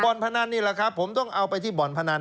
นพนันนี่แหละครับผมต้องเอาไปที่บ่อนพนัน